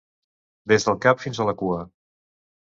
Des del cap fins a la cua.